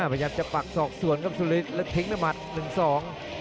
พยายามจะปักศอกส่วนครับสุรินแล้วทิ้งด้วยหมัดหนึ่งสอง